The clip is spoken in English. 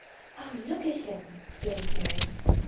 "Oh! look at him!" exclaimed Mary.